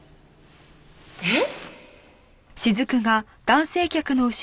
えっ！？